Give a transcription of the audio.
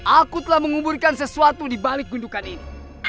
aku telah menguburkan sesuatu dibalik gundukan ini